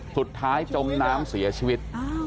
สุดท้ายจงน้ำเสียชีวิต